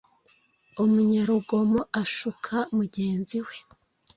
Umunyarugomo ashuka mugenzi we